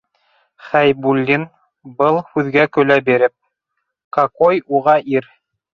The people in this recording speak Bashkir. Хәйбуллин, был һүҙгә көлә биреп: - Какой уға ир.